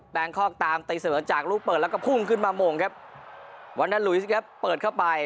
งคอกตามตีเสมอจากลูกเปิดแล้วก็พุ่งขึ้นมาโมงครับวันนาลุยสครับเปิดเข้าไป